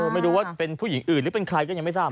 ไม่รู้ว่าเป็นผู้หญิงอื่นหรือเป็นใครก็ยังไม่ทราบ